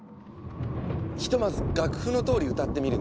ひとまず楽譜のとおり歌ってみるね。